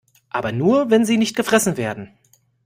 Aber nur, wenn sie nicht gefressen werden.